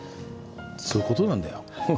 そういうことなんだよ。